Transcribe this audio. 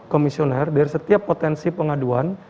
komisioner dari setiap potensi pengaduan